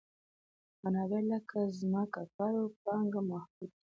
منابع لکه ځمکه، کار او پانګه محدود دي.